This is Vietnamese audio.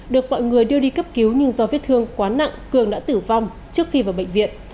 được mọi người đưa đi cấp cứu nhưng do vết thương quá nặng cường đã tử vong trước khi vào bệnh viện